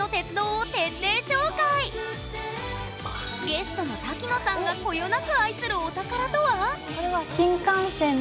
ゲストの瀧野さんがこよなく愛するお宝とは？